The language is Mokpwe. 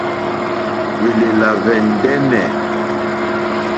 Hwèlèlà hwɛ̀ ndɛ́nɛ̀.